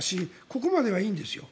ここまではいいんですよ。